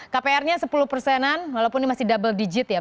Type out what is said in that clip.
kprnya sepuluh persenan walaupun ini masih double digit ya